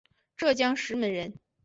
浙江石门人。